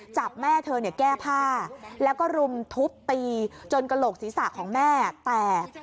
จับแม่เธอแก้ผ้าแล้วก็รุมทุบตีจนกระโหลกศีรษะของแม่แตก